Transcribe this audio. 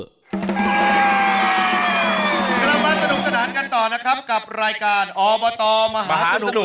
กลับมาสนุกสนานกันต่อนะครับกับรายการอบตมหาสนุก